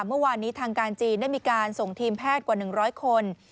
เมื่อวานนี้ทางการจีนได้มีการส่งทีมแพทย์กว่า๑๐๐คน